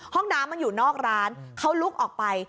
ห้องน้ำมันอยู่นอกร้านเขาลุกออกไป